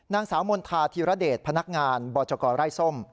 นางสาวมณฑาธิระเดชพนักงานบจกรไร่ส้ม